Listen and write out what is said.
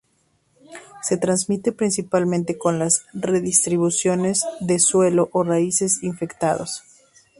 Se transmite principalmente con la redistribución de suelo o raíces infectados.